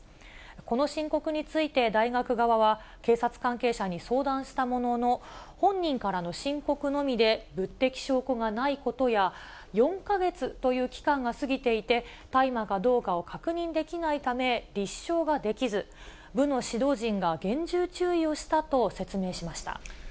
この申告について、大学側は、警察関係者に相談したものの、本人からの申告のみで、物的証拠がないことや、４か月という期間が過ぎていて、大麻かどうかを確認できないため、立証ができず、部の指導陣が厳重注意をしたと説明しました。